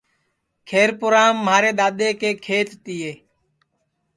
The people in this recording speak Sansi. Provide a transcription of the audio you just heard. کھیر پُورام مھارے دؔادؔے کے کھیت تِئے